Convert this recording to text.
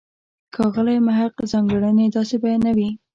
ښاغلی محق ځانګړنې داسې بیانوي.